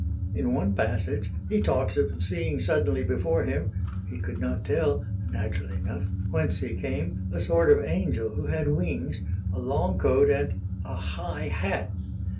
In one passage he talks of seeing suddenly before him he could not tell (naturally enough) whence he came a sort of angel who had wings, a long coat and a high hat.